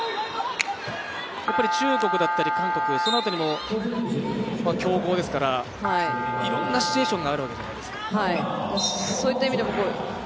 中国だったり韓国、その辺りも強豪ですからいろんなシチュエーションがあるわけじゃないですか。